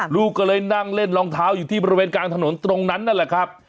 ลูกก็เลยนั่งเล่นรองเท้าอยู่ที่บริเวณกลางถนนตรงนั้นนั่นแหละครับ